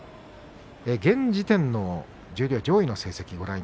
現時点の十両上位の成績です。